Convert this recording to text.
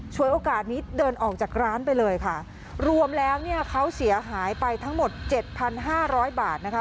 โอกาสนี้เดินออกจากร้านไปเลยค่ะรวมแล้วเนี่ยเขาเสียหายไปทั้งหมดเจ็ดพันห้าร้อยบาทนะคะ